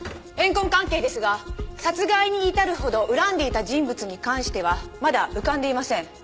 怨恨関係ですが殺害に至るほど恨んでいた人物に関してはまだ浮かんでいません。